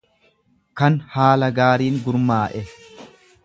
kan haala gaariin gurmaa'e.